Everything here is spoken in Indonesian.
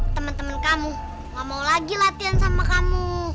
temen temen kamu gak mau lagi latihan sama kamu